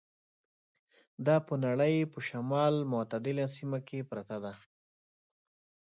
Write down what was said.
دا په نړۍ په شمال متعدله سیمه کې پرته ده.